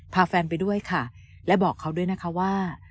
พาแฟนไปด้วยค่ะและบอกเขาด้วยนะคะว่า